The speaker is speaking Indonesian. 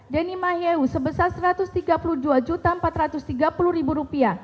denny mahew sebesar rp satu ratus tiga puluh dua empat ratus tiga puluh